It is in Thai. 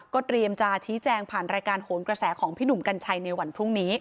เตรียมจะชี้แจงผ่านรายการโหนกระแสของพี่หนุ่มกัญชัยในวันพรุ่งนี้